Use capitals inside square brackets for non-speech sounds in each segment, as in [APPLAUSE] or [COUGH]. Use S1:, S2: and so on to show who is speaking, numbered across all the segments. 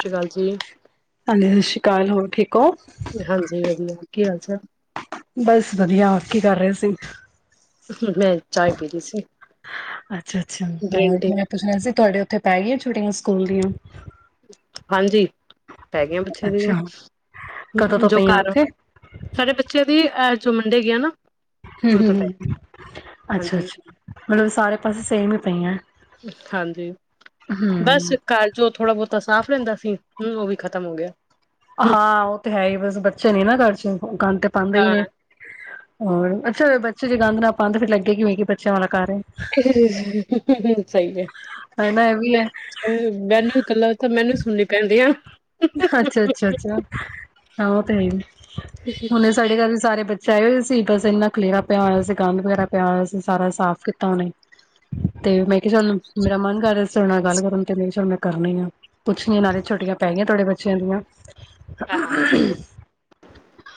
S1: ਸਤਿ ਸ਼੍ਰੀ ਅਕਾਲ ਜੀ
S2: ਹਾਂਜੀ ਸਤਿ ਸ਼੍ਰੀ ਅਕਾਲ ਹੋਰ ਠੀਕ ਹੋ।
S1: ਅੱਛਾ
S2: ਬਸ ਵਧੀਆ ਕੀ ਕਰ ਰਹੇ ਹੋ ਤੁਸੀਂ
S1: ਮੈਂ ਚਾਏ ਪੀ ਰਹੀ ਸੀ
S2: ਅੱਛਾ-ਅੱਛਾ
S1: ਦਿਨ
S2: ਹੋਰ
S1: ਦੇ।
S2: ਮੈਂ ਪੁੱਛਣਾ ਸੀ ਤੁਹਾਡੇ ਉੱਥੇ ਪੈ ਗਈ ਛੁਟੀਆਂ ਸਕੂਲ ਦੀਆਂ।
S1: ਹਾਂਜੀ। ਪੈ ਗਈਆਂ ਬੱਚੇ ਦੀਆਂ
S2: ਅੱਛਾ ਕਦੋਂ ਤੋਂ
S1: ਜੋ
S2: ਪਈਆਂ
S1: ਘਰ
S2: ਉੱਥੇ?
S1: ਸਾਡੇ ਬੱਚੇ ਦੀ ਅਹ। ਜੋ ਮੰਡੇ ਗਿਆ ਨਾ।
S2: ਹੂੰ
S1: ਉਹ
S2: ਹੂੰ
S1: ਤੋਂ ਪੈ
S2: ਹੂੰ ਅੱਛਾ
S1: ਹਾਂਜੀ
S2: ਅੱਛਾ ਮਤਲਬ ਸਾਰੇ ਪਾਸੇ ਸੇਮ ਹੀ ਪਈਆਂ
S1: ਹਾਂਜੀ ਬਸ
S2: ਹੂੰ,
S1: ਘਰ ਜੋ ਥੋੜਾ ਬਹੁਤਾ ਸਾਫ਼ ਲੈਂਦਾ ਸੀ, ਹਮ ਉਹ ਵੀ ਖ਼ਤਮ ਹੋ ਗਿਆ।
S2: ਹਾਂ ਉਹ ਤੇ ਹੈ ਹੀ ਬਸ ਬੱਚੇ ਨੀ ਨਾ ਗਰ ਚ ਗੰ ਪਾਂਦੇ ਹੀ
S1: ਹਾਂ
S2: ਨੇ। ਹੋਰ ਅੱਛਾ ਬੱਚੇ ਜੇ ਗੰਦ ਨਾ ਪਾਉਂਣ ਫੇਰ ਲੱਗੇ ਕਿਵੇਂ ਬੱਚਿਆਂ ਵਾਲਾ ਘਰ ਹੈ।
S1: ਸਹੀ ਹੈ
S2: ਹਨਾ ਇਹ ਵੀ ਹੈ
S1: ਗੱਲਾਂ ਤਾਂ ਮੈਨੂੰ ਸੁਣਨੇ ਪੈਂਦੀਆਂ
S2: ਅੱਛਾ ਅੱਛਾ ਅੱਛਾ ਹਾਂ ਔਈ ਤਾ ਹੈ ਈ ਹੁਣ ਸਾਡੇ ਦਾ ਵੀ ਸਾਰੇ ਬੱਚੇ ਚਲ ਸੀਤੋ ਸਿਨ ਖੇਲਾਰਾ ਪਿਆ ਸੀ, ਕੰਮ ਵਗੈਰਾ ਪਿਆ ਹੋਇਆ ਸੀ, ਬਸ ਸਾਰਾ ਸਾਫ ਕੀਤਾ ਹੁਣੇ ਤੇ ਮੈ ਕਿਹਾ ਉਹਨੂੰ ਮੇਰਾ ਮੰਨ ਪੈ ਗਈ ਆ ਤੁਹਾਡੇ ਬੱਚਿਆਂ ਦੀਆਂ
S1: ਹਾਂਜੀ ਹੋਰ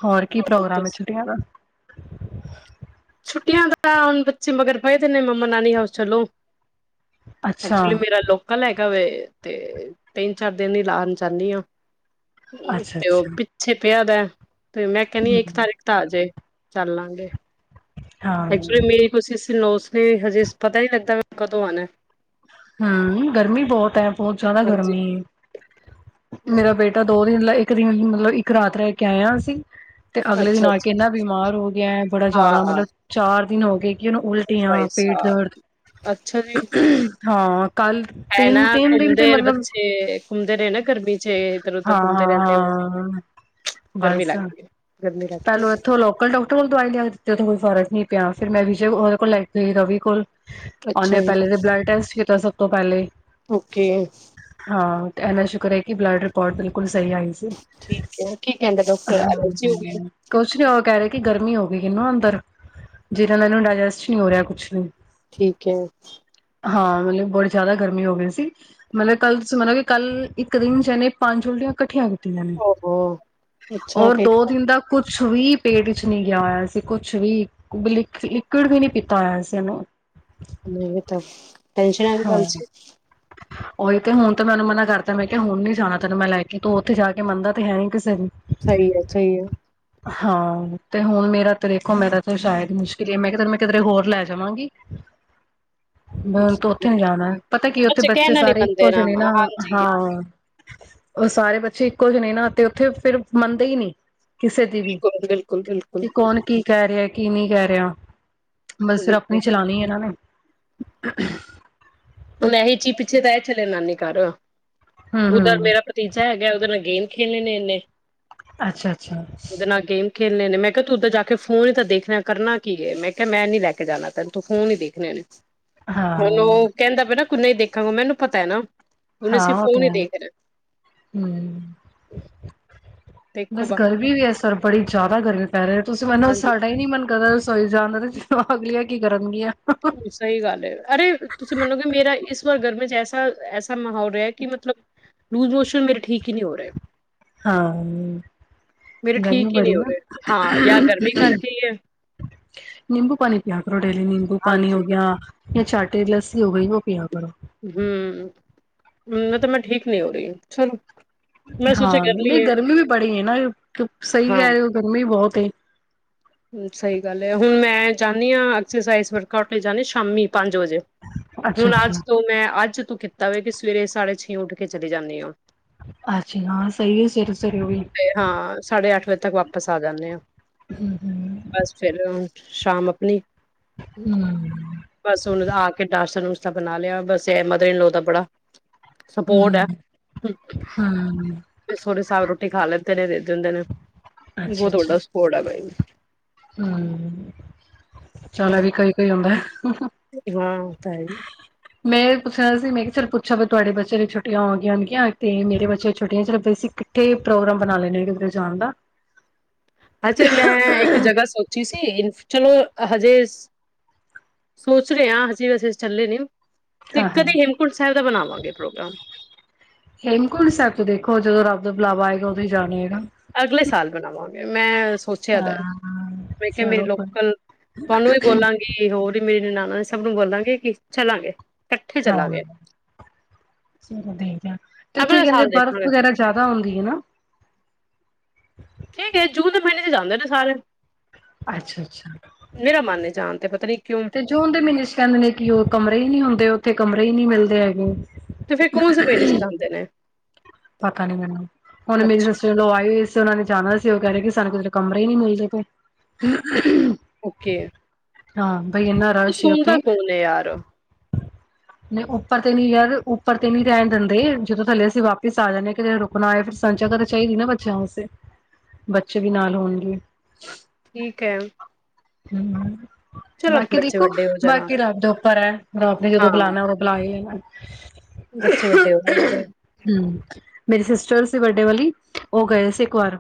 S2: ਹੋਰ ਕੀ ਪ੍ਰੋਗਰਾਮ ਹੈ
S1: ਦੱਸੋ?
S2: ਛੁੱਟੀਆਂ ਦਾ
S1: ਛੁੱਟੀਆਂ ਦਾ ਹੁਣ ਬੱਚੇ ਮਗਰ ਪੇ ਨੇ ਮੰਮਾ ਨਾਨੀ ਹਾਊਸ ਚਲੋ।
S2: ਅੱਛਾ
S1: ਐਕਚੁਲੀ ਮੇਰਾ ਲੋਕਲ ਹੈ। ਵੇ ਤੇ ਤਿੰਨ ਚਾਰ ਦਿਨ ਹੀ ਲਾਉਣ ਜਾਂਾਹਦੀ ਹਾਂ
S2: ਅੱਛਾ
S1: ਤੇ ਉਹ
S2: ਅੱਛਾ
S1: ਪਿੱਛੇ ਪਿਆਦਾ ਤੇ ਮੈਂ ਕਹਿੰਦੀ ਹਾਂ ਇੱਕ
S2: ਹਮ
S1: ਤਾਰੀਕ ਤਾਂ ਆ ਜੇ ਚੱਲਲਾਂਗੇ
S2: ਹਾਂ
S1: ਐਕਚੁਲੀ ਮੇਰੀ ਕੋਸ਼ਿਸ਼ ਸੀ ਨੌ ਸ ਨਹੀਂ ਹਜੇ ਪਤਾ ਹੀ ਲੱਗਦਾ ਕਦੋਂ ਆਉਣਾ।
S2: ਹਮ ਗਰਮੀ ਬਹੁਤ ਹੈ ਬਹੁਤ ਜ਼ਿਆਦਾ
S1: ਹਾਂਜੀ
S2: ਗਰਮੀ ਮੇਰਾ ਬੇਟਾ ਦੋ ਦਿਨ ਲ ਮਤਲਬ ਇੱਕ ਰਾਤ ਰਹਿ ਕੇ ਆਇ ਹਾਂ ਅਸੀਂ ਤੇ ਅਗਲੇ ਦਿਨ
S1: ਅੱਛਾ
S2: ਆ ਕੇ
S1: ਅੱਛਾ
S2: ਇੰਨਾ ਬਿਮਾਰ ਹੋ ਗਿਆ ਬੜਾ ਜਿਆਦਾ
S1: ਹਾਂ
S2: ਮਤਲਬ ਚਾਰ ਦਿਨ ਹੋ ਗਏ ਜਿਹਨੂੰ
S1: ਭਾਈ
S2: ਉਲਟੀਆਂ, ਪੇਟ
S1: ਸਾਹਿਬ
S2: ਦਰਦ
S1: ਅੱਛਾ ਜੀ
S2: ਹਾਂ ਕੱਲ
S1: ਹੈ ਨਾ
S2: ਤਿੰਨ ਤਿੰਨ ਦਿਨ ਤੇ
S1: ਘੁੰਮਦੇ
S2: ਮਤਲਬ
S1: ਬੱਚੇ ਘੁੰਮਦੇ ਰਹੇ ਨਾ ਗਰਮੀ ਚ ਇੱਧਰ ਉਧਰ
S2: ਹਾਂ
S1: ਘੁੰਮਦੇ ਰਹਿੰਦੇ
S2: ਹਾਂ ਹਾਂ
S1: ਗਰਮੀ ਲੱਗ ਗਈ।
S2: ਪੈਲੂੰ ਇੱਥੋਂ ਲੋਕਲ ਡੋ ਕਟਰ ਕੋਲ ਦਵਾਈ ਲਿਆ ਦਿੱਤੀ ਤਾਂ ਕੋਈ ਫਰਕ ਨਹੀਂ ਪਿਆ ਫਿਰ ਮੈਂ ਵਿਜੇ ਉਹਦੇ ਕੋਲ ਲੈ ਕੇ ਗਈ ਰਵੀ ਕੋਲ
S1: ਹੈ।
S2: ਉਹਨੇ
S1: ਅੱਛਾ ਜੀ
S2: ਪਹਿਲੇ ਤੇ ਬਲਡ ਟੈਸਟ ਤਾਂ ਸਭ ਤੋਂ ਪਹਿਲੇ
S1: ਓਕੇ
S2: ਹਾਂ ਤੇ ਇੰਨਾ ਸ਼ੁਕਰ ਹੈ ਕਿ ਬਲਡ ਰਿਪੋਰਟ ਬਿਲਕੁਲ ਸਹੀ ਆਈ ਸੀ
S1: ਠੀਕ ਕੀ ਕਹਿੰਦਾ ਡਾਕਟਰ ਆ ਸੀ ਹੋ
S2: ਹਾਂ
S1: [UNINTELLIGIBLE]
S2: ਕੁਛ ਨੀ ਉਹ ਕਹਿ ਰਹੇ ਕਿ ਗਰਮੀ ਹੋ ਗਈ ਕਿਹਨੂੰ ਅੰਦਰ ਜਿਹਨਾਂ ਦਾ ਇਹਨੂੰ ਡਾਇਜੈਸਟ ਨਹੀਂ ਹੋ ਰਿਹਾ ਕੁਛ ਵੀ
S1: ਠੀਕ ਹੈ
S2: ਹਾਂ ਮਤਲਬ ਬੜੀ ਜ਼ਿਆਦਾ ਗਰਮੀ ਹੋ ਗਈ ਸੀ ਮਤਲਬ ਕੱਲਂ ਤੁਸੀ ਮਨੋਗੇ ਕਿ ਕੱਲ ਇੱਕ ਦਿਨ ਚ ਇਹਨੇ ਪੰਜ ੳਲਟੀਆਂ ਇਕੱਠੀਆਂ ਔਰ ਦੋ ਦਿਨ ਦਾ ਕੁਛ ਵੀ ਪੇਟ ਵਿੱਚ ਨਹੀਂ ਗਿਆ ਹੋਇਆ ਸੀ, ਕੁਛ ਵੀ ਲਿਕੁਡ ਵੀ ਨੀ ਪੀਤਾ ਹੋਇਆ ਸੀ ਇਹਨੂੰ।
S1: ਨਹੀਂ ਤਾਂ ਟੈਨਸ਼ਨ ਆ ਦੀ ਗਲ ਸੀ।
S2: ਉਓਹੀ ਤੇ ਹੁਣ ਤੇ ਮੈਨੂੰ ਮਨਾ ਕਰਤਾ ਮੈਂ ਕਿਹਾ ਹੁਣ ਨੀ ਜਾਣਾ ਤੈਨੂੰ ਮੈਂ ਲੈ ਕੇ ਤੂੰ ਉੱਥੇ ਜਾ ਕੇ ਮੰਨਦਾ ਤੇ ਹੈਈ ਕਿਸੇ ਨੂੰ
S1: ਸਹੀ ਹੈ, ਸਹੀ ਹੈ।
S2: ਹਾਂ, ਤੇ ਹੁਣ ਮੇਰਾ ਤੇ ਦੇਖੋ- ਮੇਰਾ ਤੇ ਸ਼ਾਇਦ ਮੁਸ਼ਕਿਲ ਹੀ ਆ। ਮੈਂ ਕਿਹਾ, ਮੈਂ ਕਿਧਰੇ ਹੋਰ ਲੈ ਜਾਵਾਂਗੀ। ਬਿਲ [UNINTELLIGIBLE] ਉੱਥੇ ਨੀ ਜਾਣਾ, ਪਤਾ ਕੀ ਉੱਥੇ
S1: ਅੱਛਾ ਕਹਿਣ
S2: ਬੱਚੇ
S1: ਵਾਲੀ
S2: ਸਾਰੇ
S1: ਬੰਦੇ
S2: ਇੱਕੋ ਜਿਹੇ ਨੇ ਨਾ
S1: ਹਾਂਜੀ
S2: ਹਾਂ। ਉਹ ਸਾਰੇ ਬੱਚੇ ਇੱਕੋ ਜਿਹੇ ਨੇ ਨਾ ਤੇ ਉੱਥੇ ਫੇਰ ਮੰਨਦੇ ਹੀ ਨਹੀਂ। ਕਿਸੇ ਦੀ ਵੀ
S1: ਬਿਲਕੁਲ ਬਿਲਕੁਲ
S2: ਕੀ
S1: ਬਿਲਕੁਲ
S2: ਕੌਣ ਕੀ ਕਹਿ ਰਿਹਾ ਕਿਵੇਂ ਕਹਿ ਰਿਹਾ ਬਸ ਫਿਰ
S1: ਬਿਲਕੁਲ
S2: ਆਪਣੀ ਚਲਉਣੀ ਇਹਨਾਂ ਨੇ।
S1: ਹੁਣ ਇਹੀ ਚੀ ਪਿੱਛੇ ਤਾਂ ਇਹ ਚਲੇ ਨਾਨੀ ਘਰ। ਉਧਰ
S2: ਹੂੰ-ਹੂੰ,
S1: ਮੇਰਾ ਭਤੀਜਾ ਹੈਗਾ ਗੇਮ ਖੇਲਣੇ ਨੇ ਇਨੇ
S2: ਅੱਛਾ।
S1: ਉਹਦੇ ਨਾਲ ਗੇਮ ਖੇਡ ਨ ਮੈਂ ਕਿਹਾ ਤੂੰ ਤਾਂ ਜਾ ਕੇ ਫੋਨ ਹੀ ਤਾਂ ਦੇਖ ਰਿਹਾ ਕਰਨਾ ਕੀ ਹ ਮੈਂ ਕਿਹਾ ਮੈਂ ਨਹੀਂ ਲੈ ਕੇ ਜਾਣਾ ਤੈਨੂੰ ਫੋਨ ਨਹੀਂ ਦੇਖਣੇ ਨੇ
S2: ਹਾਂ।
S1: ਹੈਲੋ ਕਹਿੰਦਾ ਵੀ ਨਾ ਨਹੀਂ ਹੀ ਦੇਖਾਂਗਾ ਮੈਨੂੰ ਪਤਾ ਹੈ ਨਾ। ਹੁਣ ਅਸੀਂ
S2: ਹਾਂ ਉਹ ਤੇ
S1: ਫੋਨ ਹੀ
S2: ਹੈ
S1: ਦੇਖਣਾ
S2: ਹੂੰ
S1: ਦੇਖੋ
S2: ਬਸ
S1: ਬਾਕੀ
S2: ਗਰਮੀ ਵੀ [UNINTELLIGIBLE] ਬੜੀ ਜ਼ਿਆਦਾ ਗਰਮੀ ਪਏ ਰਹੇ ਹੋ ਤੁਸੀਂ ਮੰਨੋ
S1: ਹਾਂਜੀ
S2: ਸਾਡਾ ਹੀ ਨੀ ਮਨ ਕਰਦਾ ਤੁਰ ਜਾਣ ਦੇ ਜਦੋਂ ਅਗਲੀ ਕੀ ਕਰਨਗੀਆਂ
S1: ਸਹੀ ਗੱਲ ਹੈ ਅਰੇ ਤੁਸੀਂ ਮੰਨੋ ਕਿ ਮੇਰਾ ਇਸ ਵਾਰ ਗਰਮੀ ਚ ਐਸਾ ਐਸਾ ਮਾਹੌਲ ਰਿਹਾ ਕਿ ਮਤਲਬ ਲੂਜ਼ ਮੋਸ਼ਨ ਮੇਰੇ ਠੀਕ ਹੀ ਨਹੀਂ ਹੋ ਰਹੇ।
S2: ਹਾਂ
S1: ਮੇਰੇ
S2: ਗਰਮੀ
S1: ਠੀਕ ਹੀ ਨਹੀਂ
S2: ਬੜੀ
S1: ਹੋ
S2: ਆ।
S1: ਰਹੇ ਹਾਂ ਯਾ ਗਰਮੀ ਕਰਕੇ ਹੀ ਹੈ
S2: ਨਿੰਬੂ ਪਾਣੀ ਪੀਆ ਕਰੋ। ਤੁਹਾਡੇ ਲਈ ਨਿੰਬੂ ਪਾਣੀ
S1: ਹਾਂਜੀ
S2: ਹੋ ਗਿਆ ਚਾਟੀ ਲੱਸੀ ਹੋ ਗਈ ਉਹ ਪਿਆ ਕਰੋ।
S1: ਹੂੰ ਮੈਂ ਤਾਂ ਮੈਂ ਠੀਕ ਨਹੀਂ ਹੋ ਰਹੀ--ਚੱਲੋ।
S2: ਹਾਂ ਨਹੀਂ ਗਰਮੀ ਵੀ ਬੜੀ ਹੈ ਨਾ ਸਹੀ
S1: ਹਾਂ
S2: ਕਹਿ ਰਹੇ ਓ ਗਰਮੀ ਬਹੁਤ ਤੇ
S1: ਸਹੀ ਗੱਲ ਹੈ ਹੁਣ ਮੈਂ ਜਾਂਦੀ ਹਾਂ ਐਕਸਰਸਾਈਜ਼ ਵਰਕਟ ਲਈ ਸ਼ਾਮੀ ਪੰਜ ਵਜੇ ਹੁਣ ਅੱਜ
S2: ਅੱਛਾ-ਅੱਛਾ,
S1: ਤੋਂ ਮੈਂ ਅੱਜ ਤੂੰ ਕੀਤਾ ਹੋਵੇ ਕਿ ਸਵੇਰੇ ਸਾਢੇ ਛੇ ਉੱਠ ਕੇ ਚਲੀ ਜਾਨੇ ਹੋ।
S2: ਅੱਛਾ ਹਾਂ ਸਹੀ ਹੈ ਸਵੇਰੇ ਸਵੇਰੇ ਉਹ ਵੀ।
S1: ਤੇ ਹਾਂ ਸਾਢੇ ਅੱਠ ਵਜੇ ਤੱਕ ਵਾਪਸ ਆ ਜਾਂਨੇ ਹੋ
S2: ਹੂੰ ਹੂੰ
S1: ਬਸ ਫੇਰ ਸ਼ਾਮ ਆਪਣੀ
S2: ਹੂੰ, ਹੂੰ,
S1: ਬਸ ਉਹਨੂੰ ਆ ਕੇ [UNINTELLIGIBLE] ਨੂੰ ਅੱਛਾ ਬਣਾ ਲਿਆ ਬਸ ਮਦਨੀ ਨੂੰ ਤਾਂ ਬੜਾ ਸਪੋਰਟ
S2: ਹੂੰ।
S1: ਹੈ,
S2: ਹੂੰ
S1: ਸੋਹਰੇ ਸਾਬ ਰੋਟੀ ਖਾ ਲੈਂ ਤਨੇ ਦੇ ਦ ਤਨ [UNINTELLIGIBLE] ਬਹੁਤ ਵੱਡਾ ਸਪੋਰਟ ਹੈ ਬਈ।
S2: ਹਮ ਚਲ ਐ ਵੀ ਕਈ-ਕਈ ਹੁੰਦੈ।
S1: ਚਲੋ ਹਾਂ ਤਾਂ ਹੈ
S2: ਮੈਂ ਪੁੱਛਣਾ ਸੀ ਮੈਂ ਕਿਹਾ ਚਲ ਪੁੱਛਿਆ ਵੀ ਤੁਹਾਡੇ ਬੱਚਿਆਂ ਦੀ ਛੁੱਟੀਆਂ ਹੋ ਗਈਆਂ ਹੋਗੀਆਂ ਤੇ ਮੇਰੇ ਬੱਚਿਆਂ ਛੁੱਟੀਆਂ ਅਸੀਂ ਕੱਠੇ ਪ੍ਰੋਗਰਾਮ ਬਣਾ ਲੈਣੇ ਕਿੱਧਰੇ ਜਾਣ ਦਾ।
S1: ਅੱਛਾ ਮੈਂ ਇੱਕ ਜਗ੍ਹਾ ਸੋਚ ਚਲੋ ਹਜੇ ਸੋ ਸੋਚ ਰਏ ਆਂ ਹਜੇ ਵੈਸੇ ਅਸੀ ਚੱਲੇ ਨੀ ਤੇ
S2: ਹਾਂ-ਹਾਂ
S1: ਕਦੀ ਹੇਮਕੁੰਟ ਸਾਹਿਬ ਦਾ ਬਣਾਵਾਂਗੇ ਪ੍ਰੋਗਰਾਮ
S2: ਹੇਮਕੁੰਟ ਸਾਹਿਬ ਤੋਂ ਦੇਖੋ ਜਦੋਂ ਰਬ ਦਾ ਬੁਲਾਵਾ ਆਏਗਾ ਉਦੋਂ ਈ ਜਾਣਾ ਐ ਨਾ।
S1: ਅਗਲੇ ਸਾਲ ਬਣਾਵਾਂਗੇ ਮੈਂ ਸੋਚਿਆ ਦੈ।
S2: ਹਾਂ
S1: ਪੇਕੇ ਮੇਰੇ
S2: ਚਲੋ ਕੋਈ
S1: ਲੋਕਲ, ਤੁਆਨੂੰ ਵੀ ਬੋਲਾਂਗੀ ਹੋਰ ਮੇਰੀ ਨਨਾਨਾਂ ਨੇ ਸਭ ਨੂੰ ਬੋਲਦਾਂਗੇ ਕਿ ਚੱਲਾਂਗੇ ਇਕੱਠੇ
S2: ਹਾਂ,
S1: ਚੱਲਾਂਗੇ
S2: ਚੱਲੋ ਦੇਖਦੇ ਆ, ਤੇ ਉੱਥੇ
S1: ਅਗਲੇ
S2: ਕਹਿੰਦੇ
S1: ਸਾਲ
S2: ਬਰਫ਼
S1: ਦੇਖਾਂਗੇ
S2: ਵਗੈਰਾ ਜ਼ਿਆਦਾ ਹੁੰਦੀ ਹੈ ਨਾ।
S1: ਠੀਕ ਹੈ ਜੂਨ ਦੇ ਮਹੀਨੇ ਚ ਜਾਂਦੇ ਨੇ ਸਾਰੇ।
S2: ਅੱਛਾ-ਅੱਛਾ।
S1: ਮੇਰਾ ਮਨ ਏ ਜਾਣ ਤੇ ਪਤਾ ਨੀ ਕਿਉਂ
S2: ਤੇ ਜੂਨ ਦੇ ਮਹੀਨੇ ਚ ਕਹਿੰਦੇ ਨੇ ਕਿ ਉਹ ਕਮਰੇ ਹੀ ਨਹੀ ਹੁੰਦੇ ਉੱਥੇ ਕਮਰੇ ਹੀ ਨਹੀ ਮਿਲਦੇ ਹੈਗੇ।
S1: ਤੇ ਫਿਰ ਕੌਣ ਸੇ ਮਹੀਨੇ ਚ ਜਾਂਦੇ ਨੇ।
S2: ਪਤਾ ਨੀ ਮੈਨੂੰ ਹੁਣ ਮੇਰੀ
S1: ਅੱਛਾ
S2: ਸਿਸਟਰ ਇਨ ਲੌ ਆਈ ਹੋਔਈ ਸਨ। ਉਹਨਾਂ ਨੇ ਜਾਣਾ ਸੀ ਉਹ ਕਹਿ ਰਹੇ ਕਿ ਸਾਨੂੰ ਕੁਛ ਲੋਗ ਕਮਰੇ ਈ ਨੀ ਮਿਲਦੇ ਪਏ।
S1: ਓਕੇ
S2: ਹਾਂ। ਬਈ ਇੰਨਾ ਰਸ਼ ਹੈ ਉੱਥੇ
S1: ਸੁਣਦਾ ਕੌਣ ਹੈ ਯਾਰ
S2: ਨਹੀਂ ਉੱਪਰ ਤੇ ਨੀ ਯਾਰ ਉੱਪਰ ਤੇ ਨੀ ਰਹਿਣ ਦਿੰਦੇ ਜਦੋਂ ਥੱਲੇ ਅਸੀ ਵਾਪ ਸ ਆ ਜਾਣੇ ਆ ਕਿਥੇ ਰੁਕਣਾ ਹੋਏ ਫਿਰ ਸਾਨੂੰ ਜਗਾਹ ਤੇ ਚਾਹੀਦੀ ਨਾ ਬੱਚਿਆਂ ਵਾਸਤੇ, ਬੱਚੇ ਵੀ ਨਾਲ ਹੋਣਗੇ।
S1: ਠੀਕ ਐ।
S2: ਹੂੰ। ਬਾਕੀ ਦੇਖੋ
S1: ਵੱਡੇ ਹੋ ਜਾਣਾ
S2: ਬਾਕੀ ਰੱਬ ਦੇ ਉੱਪਰ ਐ, ਰੱਬ ਨੇ ਜਦੋਂ
S1: ਹਾਂ
S2: ਬਲਾਣੈ ਔ ਬਲਾ ਈ ਲੇਗਾ। [UNINTELLIGIBLE]
S1: ਬੱਚੇ ਵੱਡੇ ਹੋ ਗਏ ਹੁਣ ਤੇ।
S2: ਹਮ ਮੇਰੀ ਸਿਸਟਰ ਸੀ ਬਰਡੇ ਵਾਲੀ ਉਹ ਗਏ ਸੀ ਇੱਕ ਵਾਰ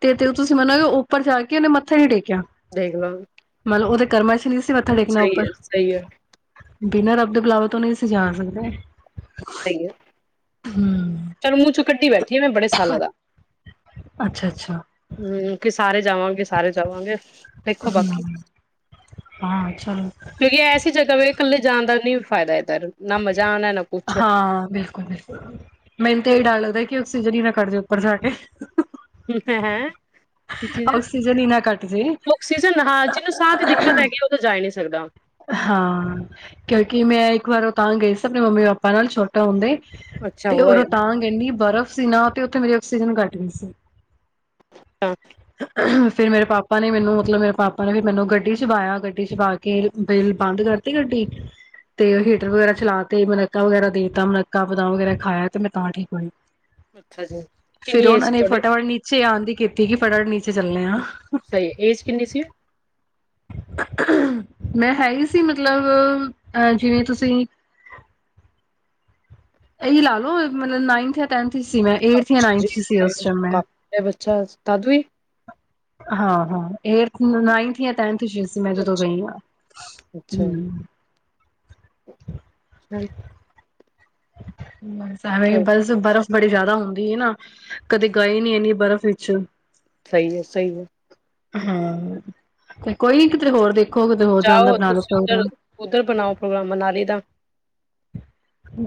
S2: ਤੇ ਤੇ ਤੁਸੀਂ ਮੰਨੋਗੇ ਉੱਪਰ ਜਾ ਕੇ ਉਹਨੇ ਮੱਥਾ ਨਹੀਂ ਟੇਕਿਆ।
S1: ਦੇਖ ਲੋ।
S2: ਮਤਲਬ ਓਦੇ ਕਰਮਾ ਚ ਨੀ ਸੀ ਮੱਥਾ ਟੇਕਣਾ ਉੱਪਰ।
S1: ਸਹੀ ਹੈ
S2: ਬਿਨਾਂ ਰੱਬ ਦੇ ਬਿਲਾਵ ਤੋਂ ਨਹੀਂ ਅਸੀਂ ਜਾ ਸਕਦੇ
S1: ਸਹੀ
S2: ਹੂੰ।
S1: ਚਲੋ ਮੂੰਹ ਚੋਂ ਕੱਟੀ ਬੈਠੀ ਆ ਮੈਂ ਬੜੇ ਸਾਲਾਂ, ਦਾ
S2: ਅੱਛਾ ਅੱਛਾ
S1: ਹਮ ਕਿਸ ਸਾਰੇ ਜਾਵਾਂਗੇ, ਸਾਰੇ ਜਾਵਾਂਗੇ। ਦੇਖੋ ਬਾਕੀ,
S2: ਹੂੰ ਹਾਂ ਚਲੋ
S1: ਕਿਉਂਕਿ ਐਸੀ ਜਗ੍ਹਾ ਵੇ ਕੱਲੇ ਜਾਂਦਾ ਨੀ ਫਾਇਦਾ ਏਤਰ ਨਾ ਮਜਾ ਆਣ ਨ
S2: ਹਾਂ ਬਿਲਕੁਲ, ਬਿਲਕੁਲ। ਮੈਨੂੰ ਤੇ ਏਹੀ ਡਰ ਲੱਗਦਾ ਕਿ ਅਕਸੀਜਨ ਹੀ ਨਾ ਕਾਟਜੇ ਉੱਪਰ ਜਾ ਕੇ।
S1: ਹੈ ਹੈ ਕੀ ਚੀਜ਼,
S2: ਆਕਸੀਜਨ ਹੀ ਨਾ ਕੱਟ ਜੇ
S1: ਔਕਸੀਜਨ ਹਾਂ ਜਿਹਨੂੰ ਸਾਹ ਦੀ ਦਿੱਕਤ ਹੈਗੀ ਉਹ ਤਾਂ ਜਾਏ ਨੀ ਸਕਦਾ।
S2: ਹਾਂ ਕਿਉਂਕਿ ਮੈਂ ਇੱਕ ਵਾਰ ਉਹ ਤਾਂ ਗਈ ਸੀ ਆਪਣੇ ਮੰਮੀ ਪਾਪਾ ਨਾਲ ਛੋਟਾ ਹੁੰਦੇ
S1: ਅੱਛਾ
S2: ਤੇ ਉ
S1: ਹੋਇਆ
S2: ਰੋਂਤਾਂਗ ਇੰਨੀ ਬਰਫ਼ ਸੀ ਨਾ ਤੇ ਉੱਥੇ ਮੇਰੀ ਆਕਸੀਜਨ ਘੱਟ ਅ ਸੀ। ਅਹ ਫਿਰ ਮਰੇ ਪਾਪਾ ਨੇ ਮੈਨੂੰ ਮਤਲਬ ਮੇਰੇ ਪਾਪ ਨੇ ਮੈਨੂੰ ਗੱਡੀ ਚ ਬਾਇਆ ਗੱਡੀ ਚ ਬਾ ਕੇ ਬ ਬੰਦ ਕਰਤੀ ਗੱਡੀ ਤੇ ਹੀਟਰ ਵਗੈਰਾ ਚਲਾ ਤੇ ਮਨੱਕਾਂ ਵਗੈਰਾ ਦੇ ਤ ਮਨੱਕਾਂ ਬਦਾਮ ਵਗੈਰਾ ਖਾਇਆ ਤੇ ਮੈਂ ਤਾਂ ਠੀਕ ਹੋਈ।
S1: ਅੱਛਾ ਜੀ ਕਿੰਨੀ ਏਜ ਸੀ ਤੁਹਾਡੇ?
S2: ਚੇ ਆਂਦ ਹੀ ਕੀਤੀ ਕਿ ਫਟਾਫਟ ਨੀਚੇ ਚੱਲਨੇ ਆ।
S1: ਸਹੀ ਏਜ ਕਿੰਨੀ ਸੀ?
S2: ਮੈਂ ਹੈ ਹੀ ਸੀ ਮਤਲਬ ਅਹ ਜਿਵੇਂ ਤੁਸੀਂ ਇਹੀ ਲਾ ਲਓ ਮਤਲਬ ਨਾਈਨਥ ਜਾਂ ਟੈਂਥ।
S1: ਕਾ [UNINTELLIGIBLE] ਬੱਚਾ ਦਾਦੂ ਵੀ
S2: ਹਾਂ ਹਾਂ ਏਟਥ, ਨਾਈੰਥ, ਯਾ ਟੇੰਥ। ਤੁ ਅਸੀਂ ਮੈਂ ਜਦੋਂ
S1: ਅੱਛਾ
S2: ਗਈ ਹਾਂ
S1: ਅੱਛਾ,
S2: ਹਮ।
S1: ਰਾਈਟ
S2: ਬਸਂ ਸਾਰਾ ਈ ਬੱਸ ਬਰਫ਼ ਬੜੀ ਜ਼ਿਆਦਾ ਹੁੰਦੀ ਏ ਨਾ ਕਦੇ ਗਏ ਨੀ ਇੰਨੀ ਬਰਫ਼ ਵਿੱਚ।
S1: ਸਹੀ ਹੈ, ਸਹੀ ਹੈ।
S2: ਹਾਂ, ਤੇ ਕੋਈ ਨੀ ਕਿਤੇ ਹੋਰ ਦੇਖ
S1: ਜਾਓ ਤੁਸੀਂ ਉਧਰ, ਉੱਧਰ ਬਣਾਓ ਪ੍ਰੋਗਰਾਮ ਮਨਾਲੀ ਦਾ।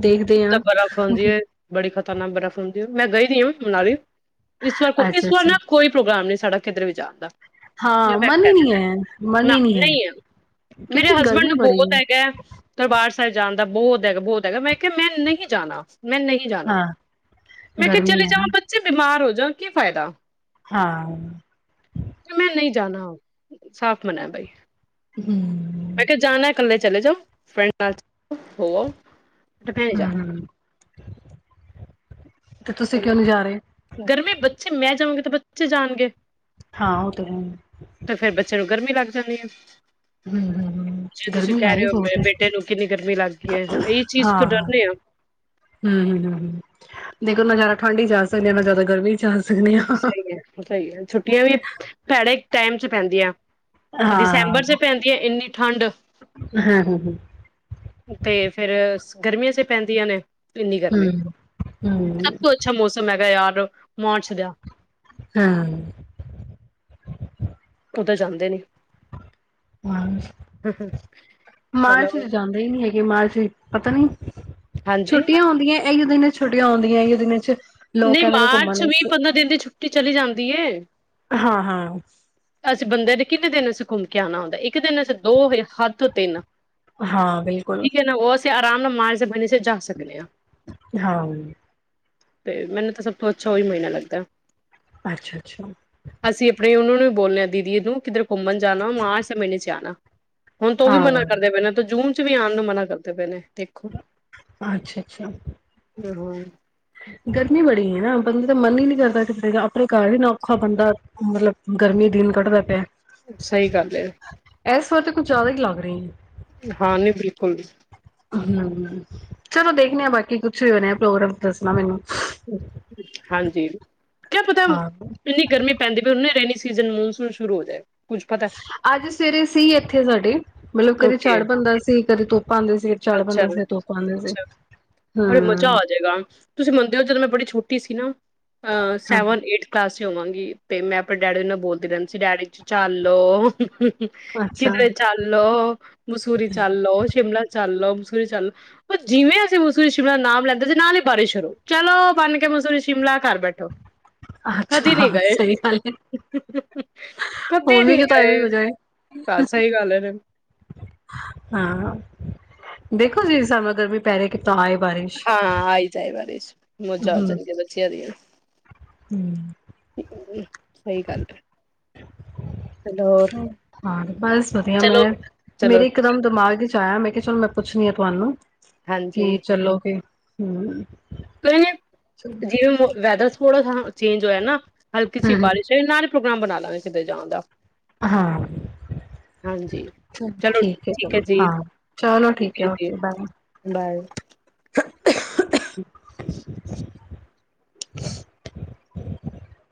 S2: ਦੇਖਦੇ ਹਾਂ
S1: ਬਰਫ਼ ਹੁੰਦੀ ਏ ਬੜੀ ਖ਼ਤਰਨਾਕ ਬਰਫ਼ ਹੁੰਦੀ ਹੈ। ਮੈਂ ਗਈ ਦੀ ਆਹ ਮਨਾਲੀ। ਇਸ ਵਾਰ ਕੋਈ
S2: ਅੱਛਾ
S1: ਇਸ ਵਾਰ
S2: ਅੱਛਾ
S1: ਨਾ ਕੋਈ ਪ੍ਰੋਗਰਾਮ ਨੀੰ। ਸੜਕ ਕਿੱਧਰੇ ਵੀ ਜਾਣਦਾ।
S2: ਹਾਂ ਮਨ ਈ ਨਹੀ ਹੈ ਮਨ
S1: ਨਾ
S2: ਹੀ ਨਹੀੰ ਹੈ।
S1: ਨਹੀਂ ਮੇਰੇ
S2: ਕਿਉਂਕਿ
S1: ਹਸਬੈਂਡ
S2: ਗਰਮੀ
S1: ਨੂੰ
S2: ਬੜੀ ਹੈ
S1: ਬਹੁਤ ਹੈਗਾ ਦਰਬਾਰ ਸਾਹਿਬ ਜਾਣ ਦਾ ਬਹੁਤ ਹੈਗਾ ਬਹੁਤ ਹੈਗਾ ਮੈਂ ਕਿਹਾ ਮੈਂ ਨਹੀਂ ਜਾਣਾ। ਮੈਂ ਨਹੀਂ ਜਾਣਾ
S2: ਹਾਂ
S1: ਮੈਂ ਕਿਹਾ
S2: ਗਰਮੀ
S1: ਚਲੇ
S2: ਹੈ ਨਾ
S1: ਜਾਵਾਂ ਬੱਚੇ ਬਿਮਾਰ ਹੋ ਜਾ ਕੀ ਫਾਇਦਾ
S2: ਹਾਂ
S1: ਕਿ ਮੈਂ ਨਹੀਂ ਜਾਣਾ ਸਾਫ਼ ਮਨ ਬਾਈ
S2: ਹਮ
S1: ਮੈਂ ਕਿਹਾ ਜਾਣਾ ਇਕੱਲੇ ਚਲੇ ਜਾਓ ਫਰੈਂਡ ਨਾਲ ਹੋ ਆਓ ਤੇ ਮੈਂ ਨਹੀਂ ਜਾਣਾ
S2: ਹਮ ਤੇ ਤੁਸੀਂ ਕਿਉ ਨ ਜਾ ਰਹੇ
S1: ਬੇ ਮੈਂ ਜਾਊਗੀ ਤਾਂ ਬੱਚੇ ਜਾਣਗੇ
S2: ਹਾਂ ਉਹ ਤਾਂ ਹੈ
S1: ਚੋ ਗਰਮੀ ਲੱਗ ਜਾਂਦੀ ਆ
S2: ਹਮ, ਹਮ, ਹਮ ਗਰਮੀ ਹੈਈ
S1: ਹੋ
S2: ਬਹੁਤ
S1: ਬੇ-
S2: ਹੈ
S1: ਬੇਟੇ ਨੂੰ ਕਿੰਨੀ ਗਰਮੀ ਲੱਗ ਗਈ ਹੈ ਹੁਣ ਇਹ
S2: ਹਾਂ
S1: ਚੀਜ਼ ਤੋਂ
S2: ਹ ਹਮ,
S1: ਡਰਨੇ ਆ
S2: ਹਮ, ਹਮ ਹਮ ਦੇਖੋ ਨਜ਼ਾਰਾ ਠੰਢ ਹੀ ਜਾ ਸਕਦੇ ਜ਼ਿਆਦਾ ਗਰਮੀ ਚ ਜਾ ਸਕਦੇ ਹਾਂ
S1: ਸਹੀ ਹੈ ਸਹੀ ਹੈ ਛੁੱਟੀਆਂ ਵੀ ਭੈੜੇ ਟਾਈਮ ਚ ਪੈਂਦੀ ਆ
S2: ਹਾਂ
S1: ਦਸੰਬਰ ਚ ਪੈਂਦੀ ਹੈ ਇੰਨੀ ਠੰਡ
S2: ਹਾਂ ਹਮ
S1: ਤੇ ਫੇਿਰ ਗਰਮੀਆਂ ਚ ਪੈਂਦੀਆਂ ਨੇ ਇੰਨੀ ਗਰਮੀ
S2: ਹਮ
S1: ਸਭ
S2: ਹਮ
S1: ਤੋਂ ਅੱਛਾ ਮੌਸਮ ਹੈਗਾ ਯਾਰ [UNINTELLIGIBLE] [UNINTELLIGIBLE]
S2: ਹਾਂ
S1: ਉਦ ਜਾਂਦੇ ਨੀ ਚਲੋ
S2: ਮਾਰਚ ਚ ਜਾਂਦੇ ਹੀ ਨਹੀਂੀ ਹੈਗੇ ਮਾਰਚ ਪਤਾ ਨੀ
S1: ਹਾਂਜੀ
S2: ਛੁੱਟ ਹੁੰਦੀਆਂ ਇਹੀ ਦਿਨ ਛੁੱੀਆਂ ਆਉਦੀਆਂ ਦਿਨਾਂ ਚ ਲੋਕ
S1: ਨਹੀਂ
S2: ਕਹਿੰਦੇ ਨੇ ਘੁੰਮਣ
S1: ਮਾਰਚ ਵੀਹ
S2: ਵਾਸਤੇ
S1: ਪੰਦਰਾਂ ਦਿਨ ਦੀ ਛੁੱਟੀ ਚਲੀ ਜਾਂਦੀ ਦੀਏ
S2: ਹਾਂ, ਹਾਂ
S1: ਬੰਦੇ ਨੇ ਕਿੰਨੇ ਦਿਨਸੀਂ ਘੁੰਮ ਕੇ ਆਉਣਾ ਹੁੰਦਾ ਇੱਕ ਦਿਨ ਅਸੀਂ ਦੋ ਹੱਥ ਤਿੰਨ
S2: ਹਾਂ ਬਿਲਕੁਲ
S1: ਠੀਕ ਹੈ ਨਾ ਉਹ ਆਰਾਮ ਨਾਲ ਮਾਰੇ ਬਣੀ ਜੱਥੇ ਜਾ ਸਕਦੇ ਹਾਂ
S2: ਹਾਂ
S1: ਤੇ ਮੈਨੂੰ ਤਾਂ ਸਭ ਤੋਂ ਅੱਛਾ ਉਹੀ ਮਹੀਨਾ ਲੱਗਦਾ
S2: ਅੱਛਾ ਅੱਛਾ
S1: ਅਸੀਂ ਆਪਣੇ ਉਹਨਾਂ ਨੂੰ ਬੋਲਦੇਿਆ ਦੀਦੀ ਨੂੰ ਕਿੱਧਰ ਘੁੰਮਣ ਜਾਣਾ ਮਾਰ ਮੇਨੇ ਚ ਆਉਣਾ ਹੁਣ ਤ ਉਹ ਵੀ ਮਨਾ
S2: ਹਾਂ
S1: ਕਰਦੇ ਪਏ ਨੇ ਤੋਂ ਜੂਨ। ਕੁ ਵੀ ਆਉਣ ਨੂੰ ਮਨਾ ਕਰਦੇ ਪਏ ਨੇ ਦੇਖੋ।
S2: ਅੱਛਾ ਅੱਛਾ
S1: ਹਾਂ
S2: ਗਰਮੀ ਬੜੀ ਹੈ ਨਾ ਬੰਦਾ ਤਾਂ ਮਨ ਹੀ ਨੀ ਕਰਦਾ ਕਿ ਆਪਣੇ ਘਰ ਹੀ ਨਾ ਔਖਾ ਬੰਦਾ ਮਤਲਬ ਗਰਮੀ ਦਿਨ ਕੱਢਦਾ ਪਿਆ।
S1: ਸਹੀ ਗੱਲ ਹੈ
S2: ਇਸ ਵਾਰ ਤੇ ਕੁੱਝ ਜ਼ਿਆਦਾ ਹੀ ਲੱਗ ਰਹੀ ਹੈ।
S1: ਹਾਂ ਨਹੀਂ ਬਿਲਕੁਲ,
S2: ਹੂੰ, ਚਲੋ ਦੇਖਣੇ ਆਾਂ ਬਾਕੀ ਕੁਛ ਵੀ ਬੰਨ੍ਹਿਆ ਪ੍ਰੋਗਰਾਮ ਦੱਸਣਾ ਮੈਨੂੰ
S1: ਹਾਂਜੀ ਕਿਆ ਪਤਾ
S2: ਹਾਂ
S1: ਇੰਨੀ ਗਰਮੀ ਪੈਂਦੀ ਵੀ ਉਹਨੇ ਰਹਿਣੀ। ਸੀਜ਼ਨ ਮੌਨਸੂਨ ਸ਼ੁਰੂ ਹੋ ਜਾਏ ਕੁੱਝ ਪਤਾ
S2: ਅੱਜ ਸਵੇਰੇ ਸੀ ਇੱਥੇ ਸਾਡੇ, ਮਤਲਬ ਕਦੇ
S1: ਓਕੇ
S2: ਚੜ੍ਹ ਬਣਦਾ ਸੀ। ਫੇਰ ਤੂੰ,
S1: ਅੱਛਾ ਅੱਛਾ
S2: ਹਮ
S1: ਮਜਾ ਅਜੇਗਾ, ਤੁਸੀਂ ਮੰਨਦੇ ਹੋ ਜਦੋਂ ਮੈਂ ਬੜੀ ਛੋਟੀ ਸੀ ਨਾ
S2: ਹਾਂ
S1: ਸੇਵਨ ਐਟ ਕਲਾਸ ਚ, ਹੋਵੇਗੀ ਤੇ ਮੈਂ ਆਪਣੇ ਡੈਡੀ ਨੂੰ ਬੋਲਦੀ ਰਹਿੰਦੀ ਸੀ, ਡੈਡੀ ਜੀ ਚੱਲੋ। ਹ
S2: ਅੱਛਾ
S1: ਕਿਦਰੇ ਚਾਲੋ, ਮਸੂਰੀ ਚਾਲੋ ਸ਼ਿਮਲਾ ਚੱਲਓ ਮਸੂਰੀ ਚੱਲੋ, ਉਹ ਜਿਵੇਂ ਅਸੀਂ ਮਸੂਰੀ ਸ਼ਿਮਲਾ ਨਾਮ ਲੈਂਦੇ ਸੀ ਨਾਲ ਹੀ ਬਾਰਿਸ਼ ਸ਼ੁਰੂ ਚਲੋ ਬਣ ਗਿਆ ਮਸੂਰੀ ਸ਼ਿਮਲਾ ਘਰ ਬੈਠੋ। ਕਦੇ ਨੀ
S2: ਅੱਛਾ
S1: ਗਏ
S2: ਸਹੀ ਗੱਲ ਹੈ,
S1: ਕਦੇ
S2: ਹੋਰ
S1: ਨੀ
S2: ਵੀ ਕਿਤੇ ਏ ਵੀ
S1: ਗਏ
S2: ਹੋ ਜਾਏ
S1: ਹਾਂ ਸਹੀ ਗੱਲ ਹੈ
S2: ਹਾਂ। ਦੇਖੋ ਜੀ ਸਮਾਂ ਗਰਮੀ ਪੈ ਰਹੀ ਕਿੱ
S1: ਹਾਂ ਆ ਹੀ ਜਾਏ ਬਾਰਿਸ਼। ਮੌਜਾ ਹੋਣ ਜਾਣਗੀਆ ਬੱਚਿਆਂ ਦੀ। [INAUDIBLE]
S2: ਹੂੰ,
S1: [INAUDIBLE] ਸਹੀ ਗੱਲ ਹੈ। ਚਲੋ ਹੋਰ
S2: ਹਾਂ ਬਸ ਵਧੀਆ
S1: ਚਲੋ
S2: ਮੈਂ
S1: ਚਲੋ
S2: ਮੇਰੇ ਇਕ ਦਮ ਦਿਮਾਗ ਚ? ਜਾਇਆ ਮੈਂ ਕਿਹਾ ਚਲੋ ਮੈਂ ਪੁੱਛਣੀ ਆ ਤੁਹਾਨੂੰ, ਕੀ ਚਲੋ ਫੇ ਹਮ!
S1: ਕਈਏ ਜਿਵੇਂ ਵੈਦਰ, ਥੋੜਾ ਸਾ ਚੇਂਜ ਹੋਇਆ ਨਾ। ਹਲਕੀ
S2: ਹਮ
S1: ਬਾਰਿਸ਼ ਹੈ ਨਾਲ,, ਪ੍ਰੋਗਰਾਮ ਬਣਾਲਾਗੇ ਸਿਮਲੇ ਜਾਣ ਦਾ।
S2: ਹਾਂ,
S1: ਹਾਂਜੀ
S2: ਚਲੋ ਠੀਕ ਹੈ ਚਲੋ ਹਾਂ ਚਲੋ ਠੀਕ ਹੈ ਓਕੇ ਬਾਏ।
S1: ਬਾਏ
S2: [INAUDIBLE]